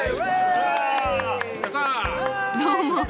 どうも。